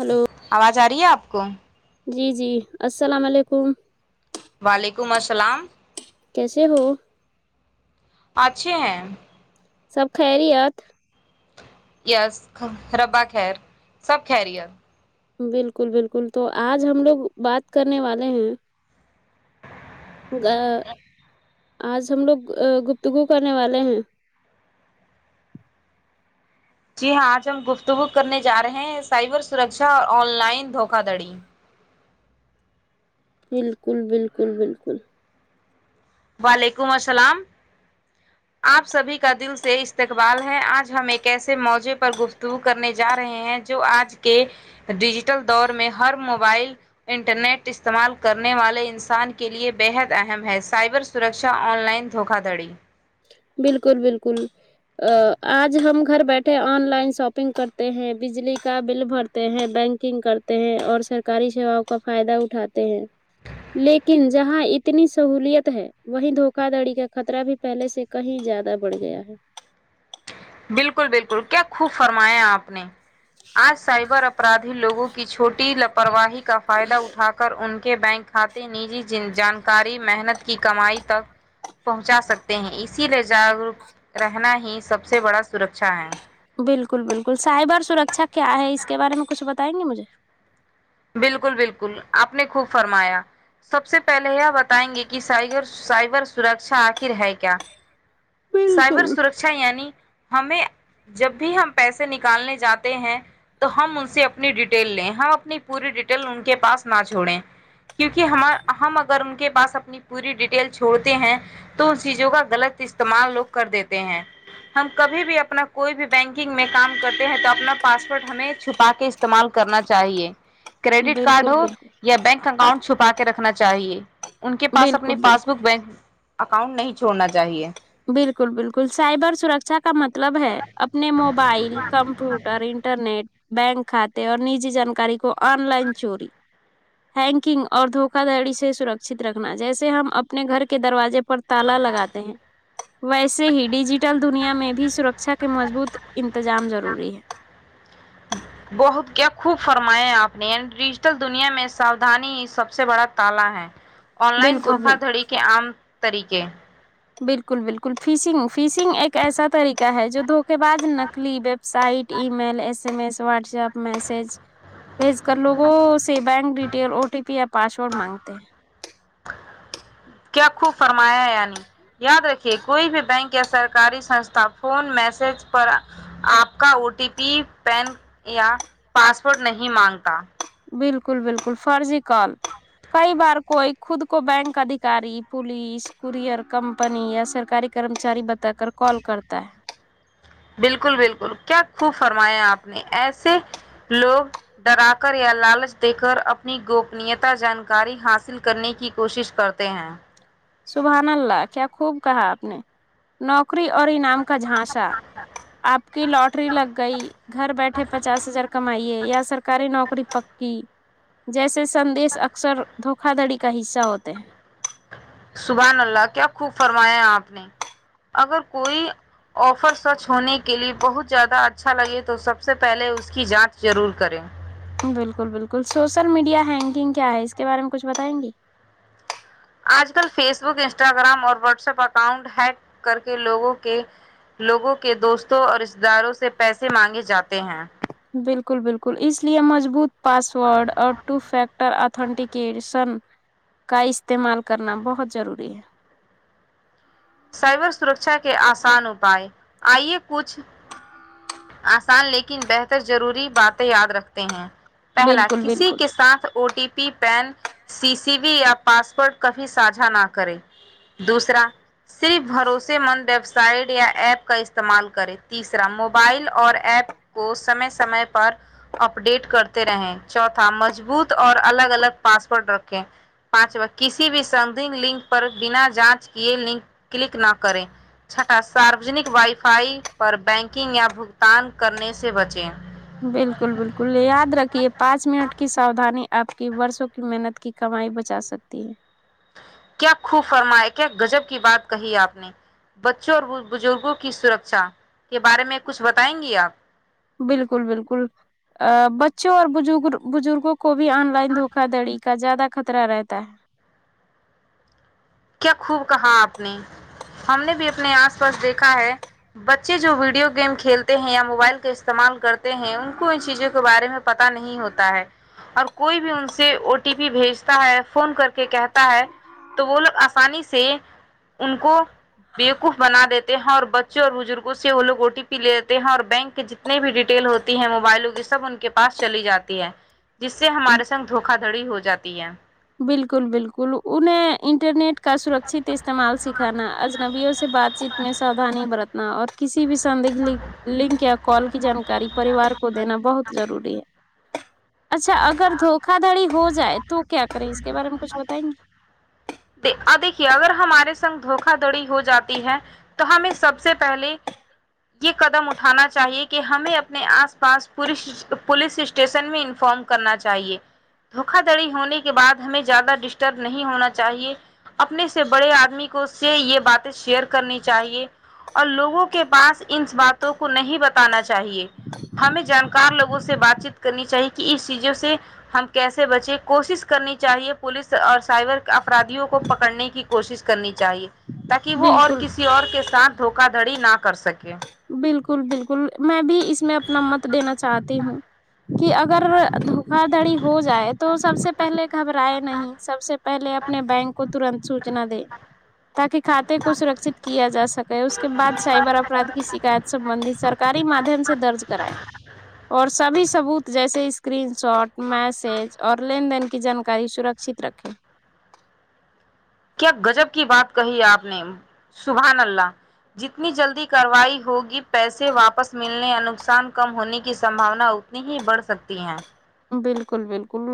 hello آواز آ رہی ہے آپ کو جی جی السلام علیکم وعلیکم السلام کیسے ہو اچھے ہیں سب خیریت یس ربا خیر سب خیریت بالکل بالکل تو آج ہم لوگ بات کرنے والے ہیں آج ہم لوگ گپتگو کرنے والے ہیں جی ہاں آج ہم گفتگو کرنے جا رہے ہیں سائبر سرکشھا اور آن لائن دھوکا دھڑی بالکل بالکل بالکل وعلیکم السلام آپ سبھی کا دل سے استقبال ہے آج ہم ایک ایسے موزے پر گفتگو کرنے جا رہے ہیں جو آج کے ڈیجیٹل دور میں ہر موبائل انٹرنیٹ استعمال کرنے والے انسان کے لیے بے حد اہم ہے سائبر سرکشا آن لائن دھوکا دڑی بالکل بالکل ا آج ہم گھر بیٹھے آن لائن شاپنگ کرتے ہیں بجلی کا بل بھر ہیں بینکنگ کرتے ہیں اور سرکاری سیواؤں کا فائدہ اٹھاتے ہیں لیکن جہاں اتنی سہولیات ہے وہیں دھوکا دڑی کا خطرہ بھی پہلے سے کہیں زیادہ بڑھ گیا ہے بالکل بالکل کیا خوب فرمایا آپ نے آج سائبر اپرادھی لوگوں کی چھوٹی لاپرواہی کا فائدہ اٹھا کر ان کے بینک کھاتے نجی جانکاری محنت کی کمائی تک پہنچا سکتے ہیں اسی لیے جاگروک رہنا ہی سب سے بڑا سرکشا ہے بالکل بالکل سائبر سرکشھا کیا ہے اس کے بارے میں کچھ بتائیں گے مجھے بالکل بالکل آپ نے خوب فرمایا سب سے پہلے یہ بتائیں گے کہ سائبر سرکشا آخر ہے کیا سائبر بالکل سرکشا یعنی ہمیں جب بھی ہم پیسے نکالنے جاتے ہیں تو ہم ان سے اپنی ڈیٹیل لیں ہم اپنی پوری ڈیٹیل ان کے پاس نہ چھوڑیں کیونکہ ہمار ہم اگر ان کے پاس اپنی پوری ڈیٹیل چھوڑتے ہیں تو ان چیزوں کا غلط استعمال لوگ کر دیتے ہیں ہم کبھی بھی اپنا کوئی بھی بینکنگ میں کام کرتے ہیں تو اپنا پاسورڈ ہمیں چھپا کے استعمال کرنا چاہیے کریڈٹ کارڈ بالکل ہو بالکل یا بینک اکاؤنٹ چھپا کے رکھنا چاہیے ان کے پاس بالکل اپنے پاس بالکل بک بینک اکاؤنٹ نہیں چھوڑنا چاہیے بالکل بالکل سائبر سرکشا کا مطلب ہے اپنے موبائل کمپیوٹر انٹرنیٹ بینک کھاتے اور نجی جانکاری کو آن لائن چوری ہینکنگ اور دھوکا دھڑی سے سرکشت رکھنا جیسے ہم اپنے گھر کے دروازے پر تالا لگاتے ہیں ویسے ہی ڈیجیٹل دنیا میں بھی سرکشا کے مضبوط انتظام ضروری ہے بہت کیا خوب فرمایا ہے آپ نے یعنی ڈیجیٹل دنیا میں سودھانی سب سے بڑا تالا ہے آن لائن بالکل دھوکا بالکل دھڑی کے عام طریقے بالکل بالکل فیسنگ فیسنگ ایک ایسا طریقہ ہے جو دھوک کے بعض نقلی ویبسائٹ ای میل S M S WhatsApp message بھیج کر لوگوں سے bank detail O T P یا پاسورڈ مانگتے ہیں کیا خو فرمایا یعنی یاد رکھیے کوئی بھی بینک یا سرکاری سنستھا فون میسج پر آپ کا او ٹی پی پین یا پاسورڈ نہیں مانگتا بالکل بالکل فرضی کال کئی بار کوئی خود کو بینک ادھیکاری پولیس کورئر کمپنی یا سرکاری کرمچاری بتا کر کال کرتا ہے بالکل بالکل کیا خوب فرمایا آپ نے ایسے لوگ ڈرا کر یا لالچ دے کر اپنی گوپنیتا جانکاری حاصل کرنے کی کوشش کرتے ہیں سبحان اللہ کیا خوب کہا آپ نے نوکری اور انعام کا جھانسا آپ کی لاٹری لگ گئی گھر بیٹھے پچاس ہزار کمائیے یا سر سرکاری نوکری پکی جیسے سدیش اکثر دھوکا دھڑی کا حصہ ہوتے ہیں سبح اللہ کیا خوب فرمایا آپ نے اگر کوئی آفر سچ ہونے کے لیے بہت زیادہ اچھا لگے تو سب سے پہلے اس کی جانچ ضرور کریں بالکل بالکل سوشل میڈیا ہینگنگ کیا ہے اس کے بارے میں کچھ بتائیں گے آج کل فیس بک انسٹاگرام اور واٹس ایپ اکاؤنٹ ہیک کر کے لوگوں کے لوگوں کے دوستوں اور رشتے داروں سے پیسے مانگے جاتے ہیں بالکل بالکل اس لیے مضبوط پاسورڈ اور ٹو فیکٹر اتنٹیکیشن کا استعمال کرنا بہت ضروری ہے سائبر سرکشا کے آسان اپائے آئیے کچھ سان لیکن بہتر ضروری باتیں یاد رکھتے ہیں ہے پہلا بالکل کسی بالکل کے ساتھ او ٹی پی پین سی سی بیی یا پاسورڈ کبھی ساجھا نہ کریں دوسرا صرف بھروسے مند ویب سائٹ یا ایپ کا استعمال کریں تیسرا مو بائل اور ایپ کو سمے سمے پر اپڈیٹ کرتے رہیں چوتھا مضبوط اور الگ الگ پاسورڈ رکھیں پانچواں کسی بھی سمتھنگ لنک پر بنا جانچ کیے لنک کلک نہ کریں چھٹا ساروجنک وائی فائی پر بینکنگ یا بھگتان کرنے سے بچیں بالکل بالکل یاد رکھیے پانچ منٹ کی ساودھانی آپ کی برسوں کی محنت کی کمائی بچا سکتی ہے کیا خوب فرمایا کیا گجب کی بات کہی آپ نے بچوں اور بزرگوں کی سرکشا کے بارے میں کچھ بتائیں گی آپ بالکل بالکل ا بچوں اور بزگ بزرگوں کو بھی آن لائن دھوکا دڑی کا زیادہ خطرہ رہتا ہے کیا خوب کہا آپ نے ہم نے بھی اپنے آس پاس دیکھا ہے بچے جو ویڈیو گیم کھیلتے ہیں یا موبائل کا استعمال کرتے ہیں ان کو ان چیزوں کو کو بارے میں پتا نہیں ہوتا ہے اور کوئی بھی ان سے او ٹی پی بھیجتا ہے فون کر کے کہتا ہے تو وہ لوگ آسانی سے ان کو بیےوقوف بنا دیتے ہیں اور بچوں اور بزرگوں سے وہ لگ او ٹی پی لے لیتے ہیں اور بینک کے جتنی بھی ڈیٹیل ہوتی ہے موبائلوں کیی سب ان کے پاس چلی جاتی ہے جس سے ہے ہمارے سنگ دھوکا دھڑی ہو جاتی ہے بالکل بالکل انہیں انٹرنیٹ کا سرکت استعمال سکھانا اجنبیوں سے بات چیت میں ساودھانی برت نہ اور کسی بھی سندیکھ لنک یا کال کی جانکاری پریوار کو دینا بہت ضروری ہے اچھا اگر دھوکا دھڑی ہو جائے تو کیا کریں اس کے بارے میں کچھ بتائیں گے دیکھیے اگر ہمارے سنگ دھوکا دھڑی ہو جاتی ہے تو ہمیں سب سے پہلے یہ قدم اٹھانا چاہیے کہ ہمیں اپنے آس پاس پولیس پولیس اسٹیشن میں انفارم کرنا چاہیے دھوکا دڑی ہونے کے بعد ہمیں زیادہ ڈسٹرب نہیں ہونا چاہیے اپنے سے بڑے آدمی کو سے یہ باتیں شیئر کرنی چاہیے اور لوگوں کے پاس ان باتوں کو نہیں بتانا چاہیے ہمیں جانکار لوگوں سے بات چیت کرنی چاہیے کہ اس چیزوں سے ہم کیسے بچے کوشش کرنی چاہیے پولیس اور سائبر اپرادھیوں کو پکڑنے کی کوشش کرنی چاہیے تاکہ وہ اور بالکل کسی اور کے ساتھ دھوکا دھڑی نہ کر سکے بالکل بالکل میں بھی اس میں اپنا مت دینا چاہتی ہوں کہ اگر دھوکا دھڑی ہو جائے تو سب سے پہلے گھبرائے نہیں سب سے پہلے اپنے بینک کو ترنت سوچنا دے تاکہ کھاتے کو سرکشت کیا جا سکے اس کے بعد سائبر اپراد کی شکایت سبندی سرکاری مادھیم سے درج کرائے اور سبھی سبوت جیسے اسکرین شاٹ میسج اور لین دین کی جانکاری سرکچت رکھیں کیا گجب کی بات کہی ہے آپ نے سبحان اللہ جتنی جلدی کارروائی ہوگی پیسے واپس ملنے یا نقصان کم ہونے کی سباونا ات نی ہی بڑھ سکتی ہیں بالکل بالکل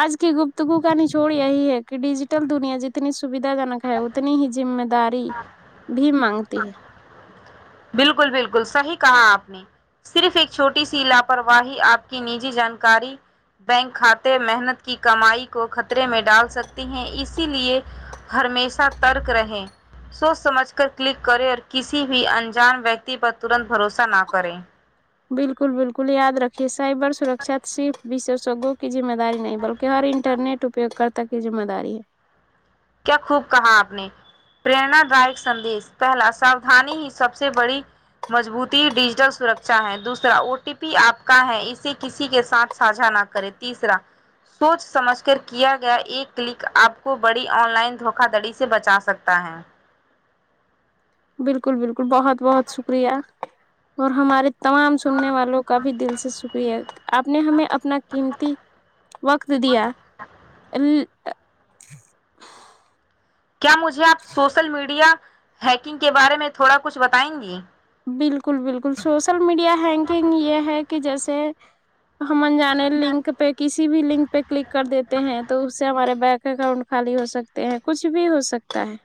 آج کی گفتگو کا نچوڑ یہی ہے کہ ڈیجیٹل دنیا جتنی سودھا جنک ہے اتنی ہی ذمہ داری بھی مانگتی ہے بالکل بالکل صحیح کہا آپ نے صرف ایک چھوٹی سی لاپرواہی آپ کی نجی جانکاری بینک کھاتے محنت کی کمائی کو خطرے میں ڈال سکتے ہیں اسی لیے ہمیشہ ترک رہے سوچ سمجھ کر کلک کریں اور کسی بھی انج جان ویکتی پر ترنت بھروسہ نہ کریں بالکل بالکل یاد رکھے سائبر سرکشا صرف وششجوں کی ذمہ داری نہیں بلکہ ہر انٹرنیٹ اپیو کرتا کی ذمہ داری ہے کیا خوب کہا آپ نے پریرنا دائک سندیش پہلا ساودانی ہی سب سے بڑی مضبوطی ڈیجیٹل سرکھا ہے دوسرا او ٹی پی آپ کا ہے اسے کسی کے ساتھ ساجھا نہ کریں تیسرا سوچ سمجھ کر کیا گیا ایک کلک آپ کو بڑے آن لائن دھوکا دڑی سے بچا سکتا ہے بالکل بالکل بہت بہت شکریہ اور ہمارے تمام سننے والوں کا بھی دل سے شکریہ آپ نے ہمیں اپنا قیمتی وقت دیا کیا مجھے آپ سوسل میڈیا ہیکنگ کے بارے میں تھوڑا کچھ بتائیں گی بالکل بالکل سوشل میڈیا ہینکنگ یہ ہے کہ جیسے ہم انجانے لنک پہ کسی بھی لنک پہ کلک کر دیتے ہیں تو اس سے ہمارے بینک اکاؤنٹ خالی ہو سکتے ہیں کچھ بھی ہو سکتا ہے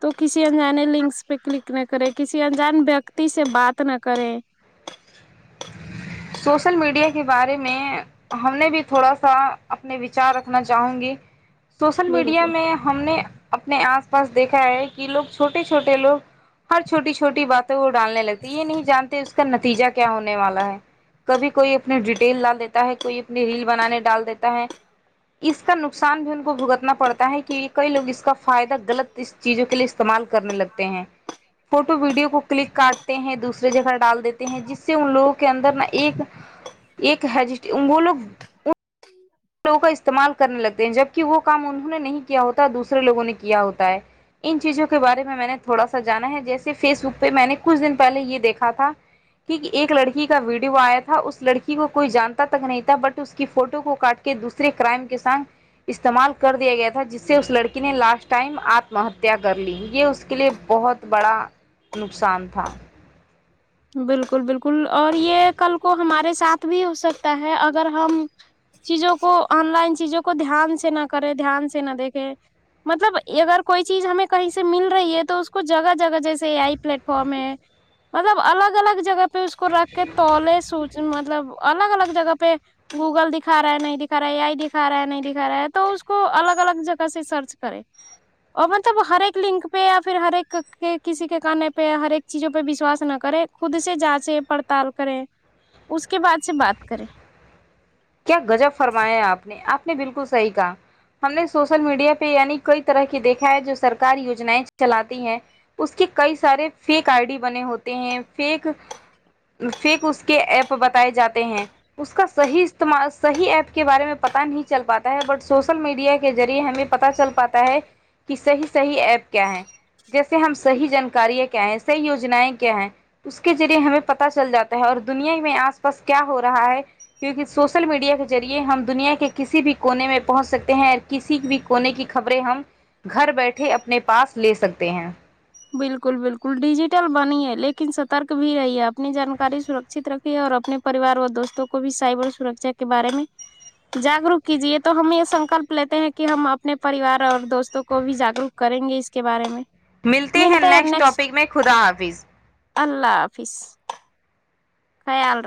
تو کسی انجانے لنکس پہ کلک نہ کریں کسی انجان ویکتی سے بات نہ کریں سوشل میڈیا کے بارے میں ہم نے بھی تھوڑا سا اپنے وچار رکھنا چاہوں گی سوشل میڈیا بالکل میں ہم نے اپنے آس پاس دیکھا ہے کہ لوگ چھوٹے چھوٹے لوگ ہر چھوٹی چھوٹی بات تو وہ ڈالنے لگتی یہ نہیں جانتے اس کا نتیجہ کیا ہونے والا ہے کبھی کوئی اپنی ڈیٹیل ڈال دیتا ہے کوئی اپنی ریل بنانے ڈال دیتا ہے اس کا نقصان بھی ان کو بھگتنا پڑتا ہے کی کئی لوگ اس کا فائدہ غلط اس چیزوں کے اس استعمال کرنے لگتے ہیں فوٹو ویڈیو کو کلک کاٹتے ہیں دوسرے جگہ ڈال دیتے ہیں جس سے ان لوگوں کے اندر نا ایک ایک [unintelligible] وہ لوگ لوگوں کا استعمال کرنے لگتے ہیں جبکہ وہ کام انہوں نے نہیں کیا ہوتا دوسرے لوگوں نے کیا ہوتا ہے ان چیزوں کے بارے میں میں نے تھوڑا سا جانا ہے جیسے فیس بک پہ میں نے کچھ دن پہلے یہ دیکھا تھا کی ایک لڑکی کا ویڈیو آیا تھا اس لڑکی کو کوئی جانتا تک نہیں تھا بٹ اس کی فوٹو کو کاٹ کےدوسرے کرائم کے سنگ استعمال کر دیا گیا تھا جس سے اس لڑکی نے لاسٹ ٹائم آتم ہتیا کر لی یہ اس کے لیے بہت بڑا نقصان تھا بالکل بالکل اور یہ کل کو ہمارے ساتھ بھی ہو سکتا ہے اگر ہم چیزوں کو آن لائن چیزوں کو دھیان سے نہ کرے دھیان سے نہ دیکھے مطلب اگر کوئی چیز ہمیں کہیں سے مل رہی ہے تو اس کو جگہ جگہ جیسے اے آئی پلیٹ فارم ہے مطلب الگ الگ جگہ پہ اس کو رکھ کے تولے سو مطلب الگ الگ جگہ پہ گوگل دکھا رہا ہے نہیں دکھا رہا ہے اے آی دکھا رہا ہے نہیں دکھا رہا ہے تو اس کو الگ الگ جگہ سے سرچ کرے اور مطلب ہر ایک لنک پہ یا پھر ہر ایک کسی کے کہںے پہ ہر ایک چیزوں پہ وشواس نہ کریں خود سے جانچے پڑتال کریں اس کے بعد سے بات کریں کیا گجب فرمایا آپ نے آپ نے بالکل صحیح کہا ہم نے سوشل میڈیا پہ یعنی کئی طرح کی دیکھا ہے جو سرکار یوجنایں چلاتی ہے اس کے کئی سارے فیک آئی ڈی بنے ہوتے ہیں فیک فیک اس کے ایپ بتائے جاتے ہیں اس کا صحیح صحیح ایپ کے بارے میں پتا نہیں چل پاتا ہے بٹ سوشل میڈیا کے ذریعے ہمیں پتا چل پاتا ہے کہ صحیح صحیح ایپ کیا ہیں جیسے ہم صحیح جانکاریاں کیا ہیں صحیح یوجنایں کیا ہیں اس کے ذریعے ہمیں پتا چل جاتا ہے اور دنیاہی میں آس پاس کیا ہو رہا ہے کیونکہ سوشل میڈیا کے ذریعے ہم دنیا کے کسی بھی کونے میں پہنچ سکتے ہیں اور کسی بھی کونے کی خبریں ہم گھر بیٹھے اپنے پاس لے سکتے ہیں بالکل بالکل ڈیجیٹل بنی ہے لیکن سترک بھی رہی ہے اپنی جانکاری شرکت رکھ اور اپنے پریوار اور دوستوں کو بھی سائبر سرکشا کے بارے میں جاگروک کیجیے تو ہم یہ سنکلپ لیتے ہیں کہ ہم اپنے پریوار اور دوستوں کو بھی جاگروک کریں گے اس کے بارے میں ملتے ہیں نیکسٹ ٹاپک میں خدا حافظ اللہ حافظ خیال رکھ